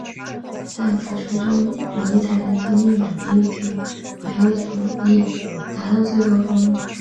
在此书中尼采的经验主义及怀疑主义达到最高峰。